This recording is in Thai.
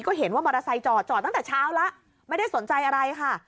ก็เห็นว่ามอเตอร์ไซค์จอดตั้งแต่เช้าแล้วไม่ได้สนใจอะไรค่ะ